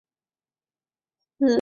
澳洲白尾鼠属等之数种哺乳动物。